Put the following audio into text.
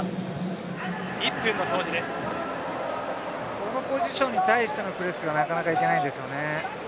あのポジションに対してのプレスがなかなか行けないんですよね。